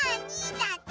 だって。